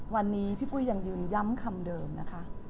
วันนี้พี่ปุ้ยยังยืนย้ำคำเดิมนะคะ